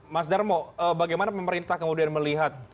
mas darmo bagaimana pemerintah kemudian melihat